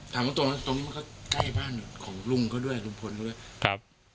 ถามตรงนั้นตรงนี้มันก็ใกล้บ้านของลุงเขาด้วยลุงพลเขาด้วยครับ